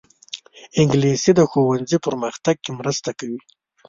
انګلیسي د ښوونځي پرمختګ کې مرسته کوي